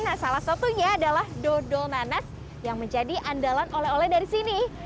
nah salah satunya adalah dodol nanas yang menjadi andalan oleh oleh dari sini